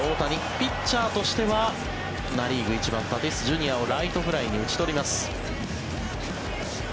ピッチャーとしてはナ・リーグ１番タティスＪｒ．をライトフライに打ち取ります。